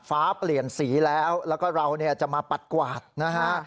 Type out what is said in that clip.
ฟ้าเปลี่ยนสีแล้วแล้วก็เราจะมาปัดกวาดนะฮะ